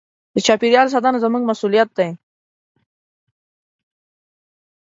د چاپېریال ساتنه زموږ مسوولیت دی.